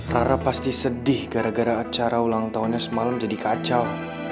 rara pasti sedih gara gara acara ulang tahunnya semalam jadi kacau